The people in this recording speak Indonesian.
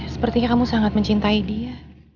sepertinya kamu sangat mencintai dia